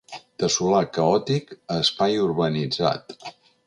De solar caòtic a espai urbanitzat.